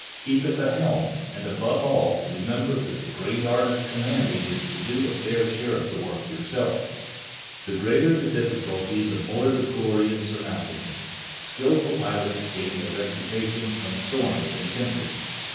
Keep at the helm, and, above all, remember that the great art of commanding is to do a fair share of the work yourself. The greater the difficulty the more the glory in surmounting it. Skillful pilots gain their reputation from storms and tempests.